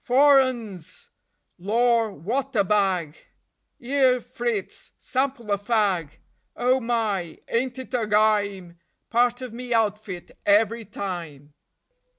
Four 'Uns; lor, wot a bag! 'Ere, Fritz, sample a fag! Oh my, ain't it a gyme! Part of me outfit every time.